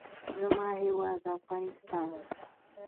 زما هېواد افغانستان.